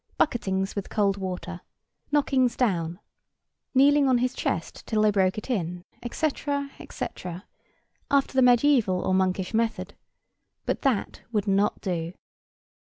Bucketings with cold water. Knockings down. Kneeling on his chest till they broke it in, etc. etc.; after the mediæval or monkish method: but that would not do.